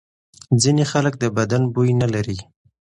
ځینې خلک د بدن بوی نه لري.